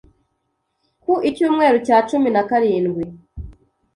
ku Icyumweru cya cumi na karindwi